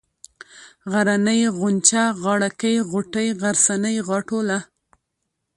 غرنۍ ، غونچه ، غاړه كۍ ، غوټۍ ، غرڅنۍ ، غاټوله